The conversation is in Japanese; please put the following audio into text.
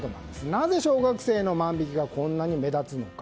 なぜ小学生の万引きがこんなに目立つのか。